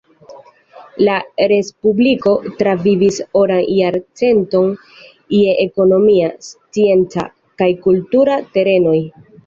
La respubliko travivis oran jarcenton je ekonomia, scienca kaj kultura terenoj.